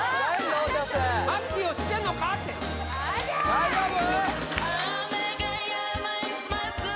大丈夫？